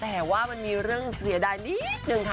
แต่ว่ามันมีเรื่องเสียดายนิดนึงค่ะ